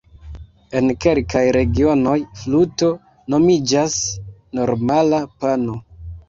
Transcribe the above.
En kelkaj regionoj 'fluto' nomiĝas normala 'pano'.